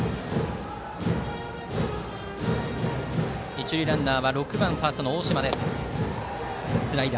一塁ランナーは６番ファーストの大島です。